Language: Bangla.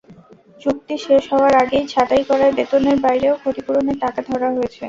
চুক্তি শেষ হওয়ার আগেই ছাঁটাই করায় বেতনের বাইরেও ক্ষতিপূরণের টাকা ধরা হয়েছে।